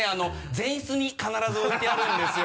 前室に必ず置いてあるんですよ。